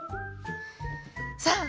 さあ！